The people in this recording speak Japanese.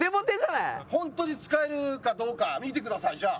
本当に使えるかどうか見てくださいじゃあ。